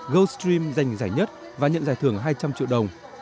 goldstream giành giải nhất và nhận giải thưởng hai trăm linh triệu đồng